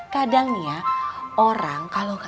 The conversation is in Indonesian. kadang ya orang kalau gak suka